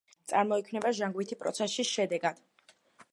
წარმოიქმნება ჟანგვითი პროცესის შედეგად.